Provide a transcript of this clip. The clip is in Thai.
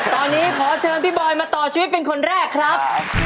ตอนนี้ขอเชิญพี่บอยมาต่อชีวิตเป็นคนแรกครับ